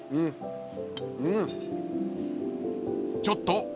［ちょっと！